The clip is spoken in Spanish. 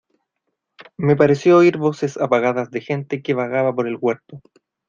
me pareció oír voces apagadas de gente que vagaba por el huerto.